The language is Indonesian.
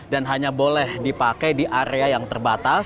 dan hanya boleh dipakai di area yang terbatas